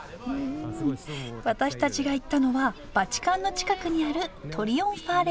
私たちが行ったのはバチカンの近くにあるトリオンファーレ